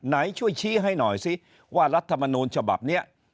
ไหนช่วยชี้ให้หน่อยสิว่ารัฐมนูลฉบับนี้